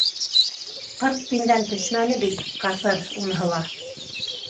- Ҡырҡ тиндән төшмәне бит, кафыр, уныһы ла.